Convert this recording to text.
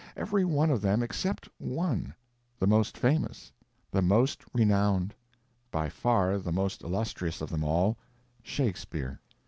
Every one of them except one—the most famous, the most renowned—by far the most illustrious of them all—Shakespeare!